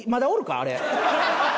あれ。